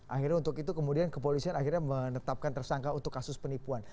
akhirnya untuk itu kepolisian menetapkan tersangka untuk kasus penipuan